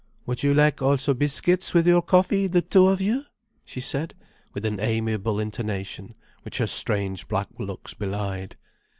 "Would you like also biscuits with your coffee, the two of you?" she said, with an amiable intonation which her strange black looks belied.